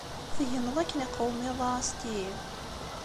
Tegneḍ akken iqwem iḍ-a a Steeve?